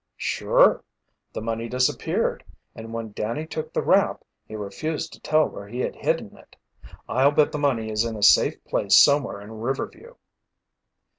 "Sure. The money disappeared, and when Danny took the rap, he refused to tell where he had hidden it. I'll bet the money is in a safe place somewhere in Riverview."